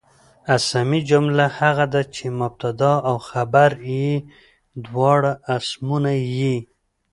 اسمي جمله هغه ده، چي مبتدا او خبر ئې دواړه اسمونه يي.